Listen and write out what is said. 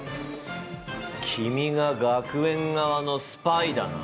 君が学園側のスパイだな？